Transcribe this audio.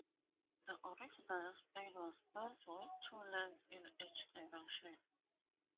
The original span was built with two lanes in each direction.